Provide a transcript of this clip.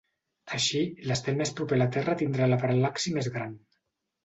Així, l'estel més proper a la Terra tindrà la paral·laxi més gran.